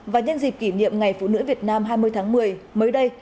và nhân dịp kỷ niệm ngày phụ nữ việt nam hai mươi tháng một mươi mới đây